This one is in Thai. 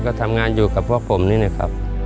ก็ทำงานอยู่กับพวกผมนี่นะครับ